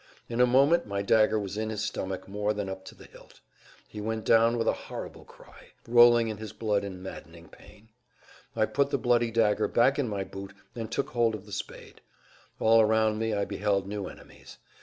In a moment my dagger was in his stomach more than up to the hilt. He went down with a horrible cry, rolling in his blood in maddening pain. I put the bloody dagger back in my boot and took hold of the spade. All around me I beheld new enemies.